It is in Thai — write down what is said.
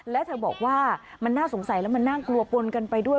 และเธอบอกว่ามันน่าสงสัยแล้วมันน่ากลัวปนกันไปด้วย